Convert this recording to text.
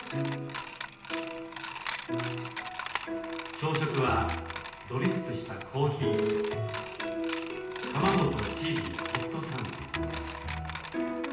朝食はドリップしたコーヒーと卵とチーズのホットサンド。